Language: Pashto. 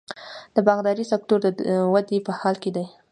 د باغدارۍ سکتور د ودې په حال کې دی.